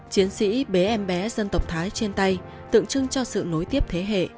chiến sĩ bé em bé dân tộc thái trên tay tự trưng cho sự nối tiếp thế hệ